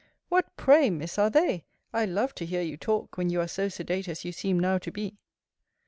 What, pray, Miss, are they? I love to hear you talk, when you are so sedate as you seem now to be.